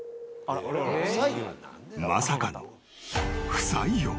［まさかの不採用］